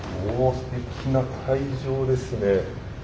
すてきな会場ですね。